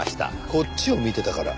こっちを見てたから？